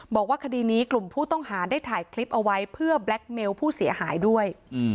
บอกว่าคดีนี้กลุ่มผู้ต้องหาได้ถ่ายคลิปเอาไว้เพื่อแบล็คเมลผู้เสียหายด้วย